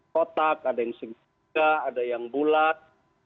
kotak ada yang sejaga ada yang bulat